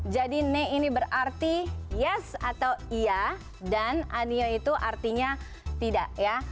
jadi ne ini berarti yes atau iya dan anio itu artinya tidak ya